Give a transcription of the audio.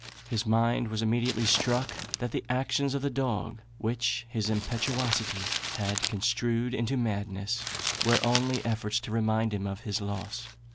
His mind was immediately struck that the actions of the dog, which his impetuosity had construed into madness, were only efforts to remind him of his loss.